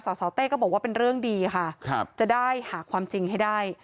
สสเต้ก็บอกว่าเป็นเรื่องดีค่ะจะได้หาความจริงให้ได้